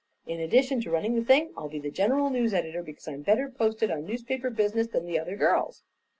In addition to running the thing, I'll be the general news editor, because I'm better posted on newspaper business than the other girls."